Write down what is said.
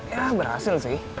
ya berhasil sih